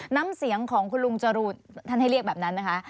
น้ำเสียงของคุณลุงจรูนท่านให้เรียกแบบนั้นนะคะ